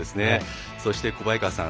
そして、小早川さん。